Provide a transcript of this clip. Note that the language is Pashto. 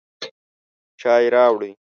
چای راوړئ